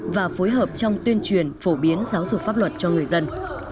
và phối hợp trong tuyên truyền phổ biến giáo dục pháp luật cho người dân